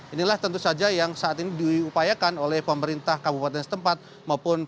inilah tentu saja yang saat ini diupayakan oleh pemerintah kabupaten setempat